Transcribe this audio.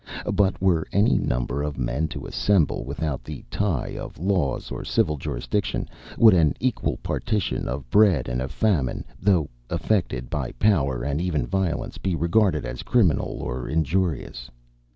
But were any number of men to assemble, without the tie of laws or civil jurisdiction; would an equal partition of bread in a famine, though effected by power and even violence, be regarded as criminal or injurious?